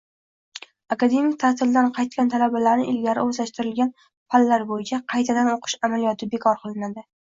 Akademik taʼtildan qaytgan talabalarni ilgari oʻzlashtirilgan fanlar boʻyicha qaytadan oʻqitish amaliyoti bekor qilinadi.